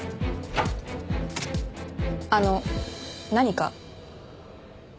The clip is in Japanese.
あの何か？